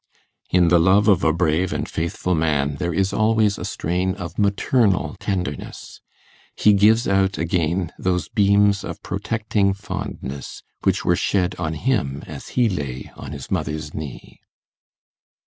In the love of a brave and faithful man there is always a strain of maternal tenderness; he gives out again those beams of protecting fondness which were shed on him as he lay on his mother's knee.